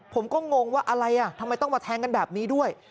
ผมก็งงว่าอะไรอ่ะทำไมต้องมาแทงกันแบบนี้ด้วย